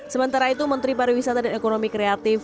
sementara itu menteri pariwisata dan ekonomi kreatif